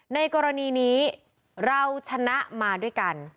ในกรณีนี้เราชนะมาด้วยกัน